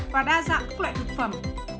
và đa dạng các loại thực phẩm